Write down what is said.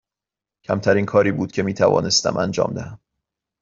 کمترین کاری بود که می توانستم انجام دهم.